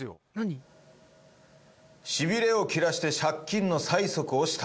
しびれを切らして借金の催促をした。